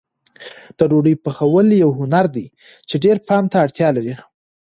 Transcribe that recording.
د ډوډۍ پخول یو هنر دی چې ډېر پام ته اړتیا لري.